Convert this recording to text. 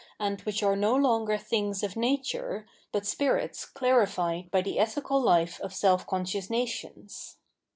nrl which are no longer things of nature, but spirits clarified by the ethical hfe of self conscious nations.